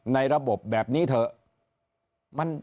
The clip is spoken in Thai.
ในระบบแบบนี้เถอะ